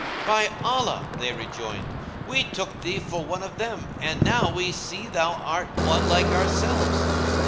"By Allah," they rejoined, "we took thee for one of them and now we see thou art one like ourselves."